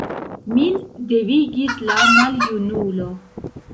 Min devigis la maljunulo.